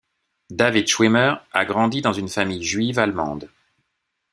David Schwimmer a grandi dans une famille juive allemande.